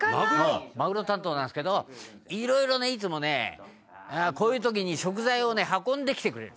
「マグロ担当なんですけど色々いつもこういう時に食材を運んできてくれる」